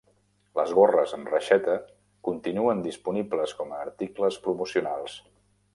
Les gorres amb reixeta continuen disponibles com a articles promocionals.